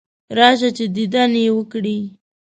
راشه چې دیدن یې وکړې.